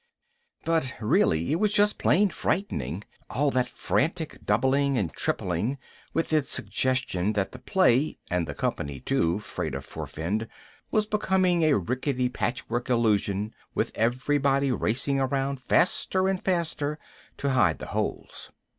_ But really it was plain frightening, all that frantic doubling and tripling with its suggestion that the play (and the company too, Freya forfend) was becoming a ricketty patchwork illusion with everybody racing around faster and faster to hide the holes.